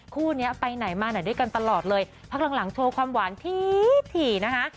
คู่นี้ไปไหนมาไหนด้วยกันตลอดเลยพักหลังหลังโชว์ความหวานถี่ถี่นะคะ